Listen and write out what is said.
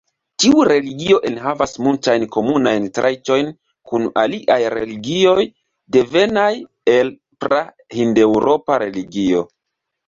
Tiu religio enhavas multajn komunajn trajtojn kun aliaj religioj devenaj el pra-hindeŭropa religio.